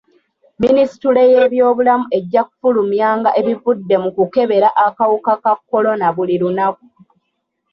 Minisitule y'ebyobulamu ejja kufulumyanga ebivudde mu kukebera akawuka ka kolona buli lunaku.